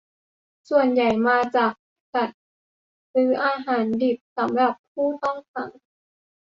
ส่วนใหญ่มาจากการจัดซื้ออาหารดิบสำหรับผู้ต้องขัง